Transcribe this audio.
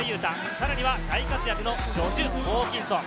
さらには大活躍のジョシュ・ホーキンソン。